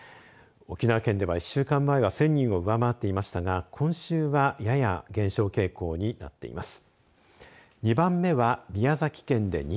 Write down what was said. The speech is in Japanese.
沖縄県では１週間前は１０００人を上回っていましたが今週は、やや減少傾向になっています。